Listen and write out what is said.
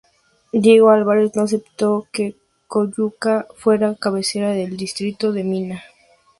Diego Álvarez no aceptó que Coyuca fuera cabecera del Distrito de Mina.